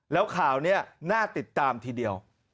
แล้วข่าวนี้น่าติดตามทีเดียว